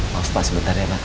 maaf pak sebentar ya pak